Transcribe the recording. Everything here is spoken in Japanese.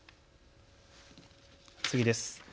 次です。